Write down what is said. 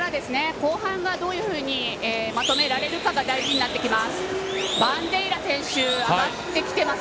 後半はどういうふうにまとめられるかが大事になってきます。